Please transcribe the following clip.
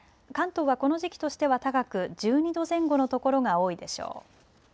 関東はこの時期としては高く１２度前後の所が多いでしょう。